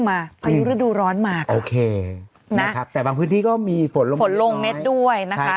พายุฤดูร้อนมาค่ะนะครับฝนลงเม็ดด้วยใช่ครับโอเคแต่บางพื้นที่ก็มีฝนลงเม็ดน้อย